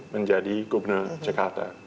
menjadi gubernur jakarta